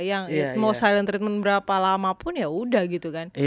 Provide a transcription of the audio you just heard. yang mau silentreatment berapa lama pun ya udah gitu kan